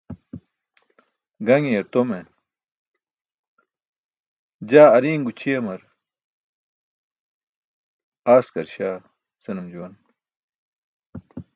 Gaṅiyar tome, "jaa ari̇n gućʰiyamar askarśaa" senum juwan.